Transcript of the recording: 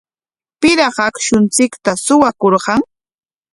¿Piraq akshunchikta suwakurqan?